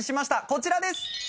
こちらです！